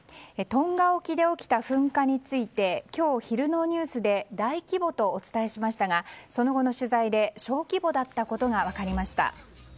トンガ沖で起きた噴火について今日昼のニュースで大規模とお伝えしましたがその後の取材で小規模だったことが分かりました。